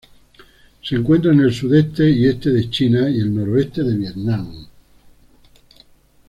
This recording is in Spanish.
Se encuentra en el sudeste y este de China y el nordeste de Vietnam.